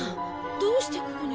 どうしてここに？